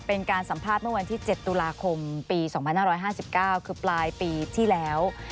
เป็นการสัมภาษณ์เมื่อวันที่๗ตุลาคมปี๒๕๕๙คือปลายปีที่แล้ว